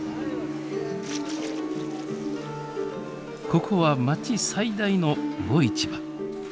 ここは町最大の魚市場。